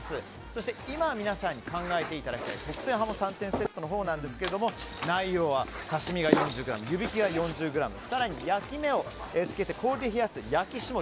そして今、皆さんに考えていただきたい特選はも３点セットのほうは内容は刺し身が４０ｇ湯引きが４０ｇ更に、焼き目をつけて氷で冷やす焼霜が４０ｇ。